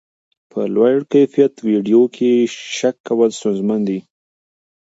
په لوړ کیفیت ویډیو کې شک کول ستونزمن دي.